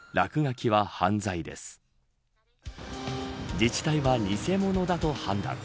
自治体は偽物だと判断。